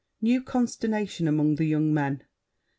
[New consternation among the young men.